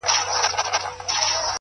• شپې په برخه سوې د غلو او د بمانو,